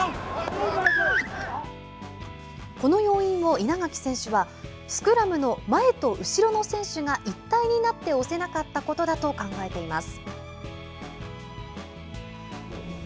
この要因を稲垣選手は、スクラムの前と後ろの選手が一体になって押せなかったことだと考えています。